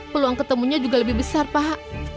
peluang ketemunya juga lebih besar pak